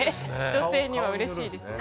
女性にはうれしいですね。